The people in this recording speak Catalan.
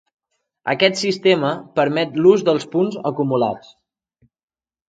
Aquest sistema permet l'ús dels punts acumulats.